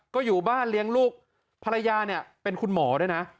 ก็อยู่บ้านเลี้ยงลูกภรรยาเนี่ยเป็นคุณหมอด้วยนะ